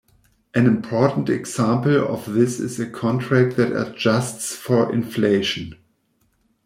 An important example of this is a contract that adjusts for inflation.